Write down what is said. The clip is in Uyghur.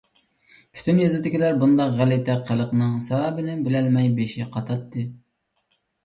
پۈتۈن يېزىدىكىلەر بۇنداق غەلىتە قىلىقنىڭ سەۋەبىنى بىلەلمەي بېشى قاتاتتى.